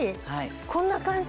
こんな感じ？